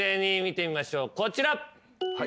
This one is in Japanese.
こちら。